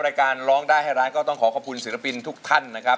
รายการร้องได้ให้ร้านก็ต้องขอขอบคุณศิลปินทุกท่านนะครับ